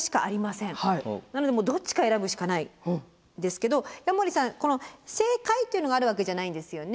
なのでどっちか選ぶしかないんですけど矢守さん正解というのがあるわけじゃないんですよね。